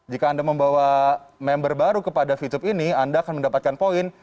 jika anda membawa member baru kepada youtube ini anda akan mendapatkan poin